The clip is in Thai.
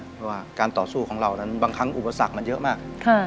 เพราะว่าการต่อสู้ของเรานั้นบางครั้งอุปสรรคมันเยอะมาก